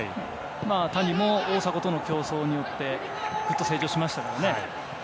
谷も、大迫との競争によってぐっと成長しましたからね。